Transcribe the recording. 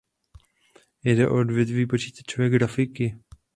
Jde o odvětví počítačové grafiky.